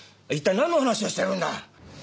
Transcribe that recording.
一体なんの話をしてるんだ？